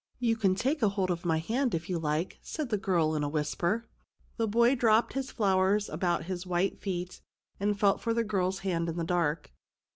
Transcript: "You can take hold of my hand, if you like," said the girl, in a whisper. The boy dropped his flowers about his white feet and felt for the girl's hand in the dark.